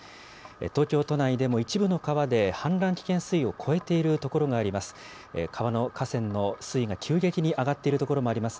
東京都内でも一部の川で氾濫危険水位を超えている所があります。